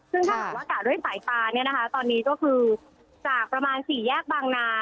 ซึ่งถ้าหากอากาศด้วยสายตาเนี่ยนะคะตอนนี้ก็คือจากประมาณสี่แยกบางนา